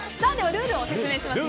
ルールを説明します。